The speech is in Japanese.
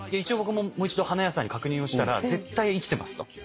僕ももう一度花屋さんに確認をしたら絶対生きてますと。